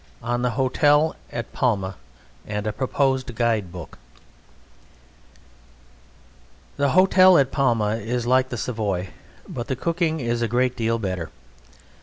ON THE HOTEL AT PALMA AND A PROPOSED GUIDE BOOK The hotel at Palma is like the Savoy, but the cooking is a great deal better.